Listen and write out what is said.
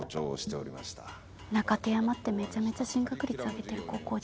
中手山ってめちゃめちゃ進学率上げてる高校じゃん。